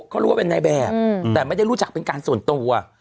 เขารู้ว่าเป็นนายแบบแต่ไม่ได้รู้จักเป็นการส่วนตัว